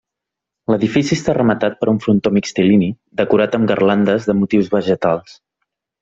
L'edifici està rematat per un frontó mixtilini decorat amb garlandes de motius vegetals.